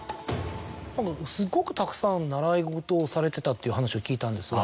すごくたくさん習い事をされてたっていう話を聞いたんですが。